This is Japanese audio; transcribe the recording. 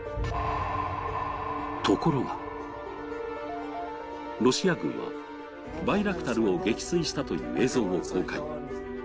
ところが、ロシア軍はバイラクタルを撃墜したという映像を公開。